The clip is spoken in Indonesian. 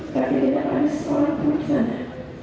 kami tidak akan bisa pulang ke sana